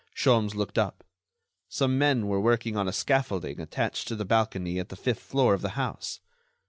Sholmes looked up. Some men were working on a scaffolding attached to the balcony at the fifth floor of the house.